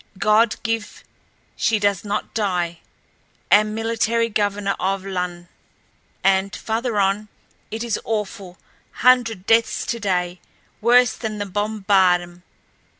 God give she does not die ... am military governor of Lon ..." And farther on: "It is awful ... hundred deaths today ... worse than the bombardm